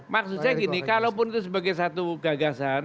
maksudnya gini kalaupun itu sebagai satu gagasan